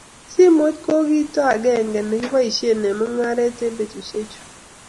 Simoit ko kito akenge ne kiboisie eng mong'aree eng betushe chu.